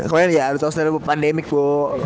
kemaren ya udah tau selalu pandemik bo